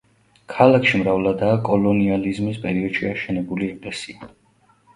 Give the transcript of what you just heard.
ქალაქში მრავლადაა კოლონიალიზმის პერიოდში აშენებული ეკლესია.